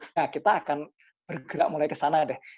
nah kita akan bergerak mulai ke sana deh